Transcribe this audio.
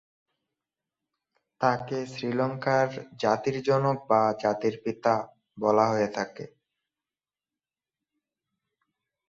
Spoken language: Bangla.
তাকে শ্রীলঙ্কার জাতির জনক বা জাতির পিতা বলা হয়ে থাকে।